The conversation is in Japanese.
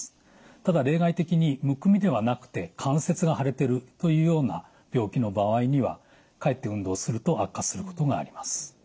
ただ例外的にむくみではなくて関節が腫れてるというような病気の場合にはかえって運動すると悪化することがあります。